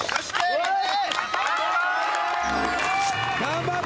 頑張れ！